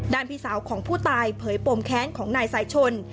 พี่สาวของผู้ตายเผยปมแค้นของนายสายชน